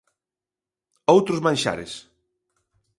Outros manxares.